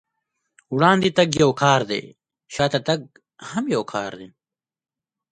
وړاندې تګ يو کار دی، شاته تګ هم يو کار دی.